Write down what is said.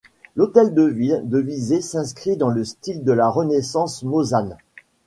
L’hôtel de ville de Visé s’inscrit dans le style de la Renaissance mosane.